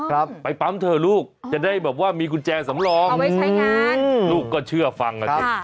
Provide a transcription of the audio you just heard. แล้วไปถามพนักงานเซเว่นดูครับ